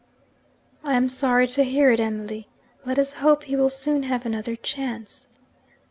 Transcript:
'I am sorry to hear it, Emily. Let us hope he will soon have another chance.'